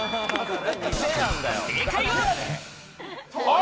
正解は！